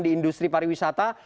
di industri pariwisata